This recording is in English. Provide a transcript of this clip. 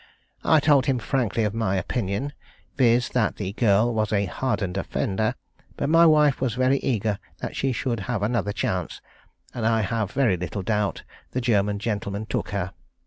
I told him frankly my own opinion, viz., that the girl was a hardened offender; but my wife was very eager that she should have another chance, and I have very little doubt the German gentleman took her.